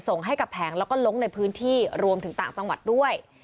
ส่งให้กับแผงแล้วก็ลงในพื้นที่รวมถึงต่างจังหวัดด้วย